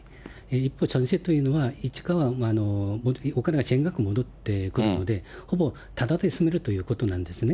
一方、チョンセっていうのはいつかはお金が全額戻ってくるので、ほぼただで住めるということなんですね。